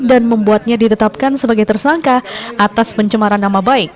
dan membuatnya ditetapkan sebagai tersangka atas pencemaran nama baik